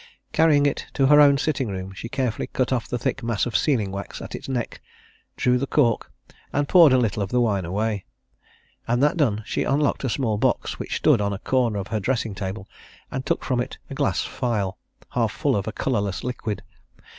Carrying it to her own sitting room, she carefully cut off the thick mass of sealing wax at its neck, drew the cork, and poured a little of the wine away. And that done, she unlocked a small box which stood on a corner of her dressing table, and took from it a glass phial, half full of a colourless liquid.